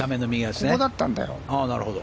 ここだったんだよ。